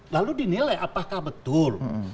lalu dinilai apakah betul